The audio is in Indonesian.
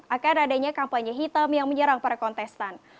akan adanya kampanye hitam yang menyerang para kontestan